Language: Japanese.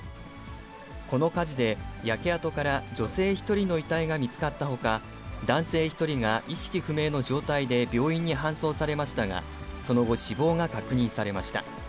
この火事で、焼け跡から女性１人の遺体が見つかったほか、男性１人が意識不明の状態で病院に搬送されましたが、その後、死亡が確認されました。